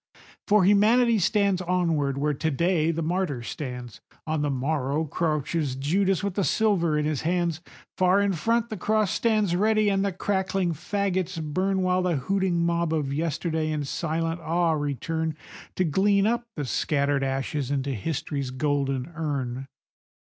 For Humanity sweeps onward: where to day the martyr stands, On the morrow crouches Judas with the silver in his hands; Far in front the cross stands ready and the crackling fagots burn, While the hooting mob of yesterday in silent awe return To glean up the scattered ashes into History's golden urn.